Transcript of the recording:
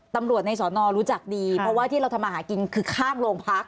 ในสอนอรู้จักดีเพราะว่าที่เราทำมาหากินคือข้างโรงพัก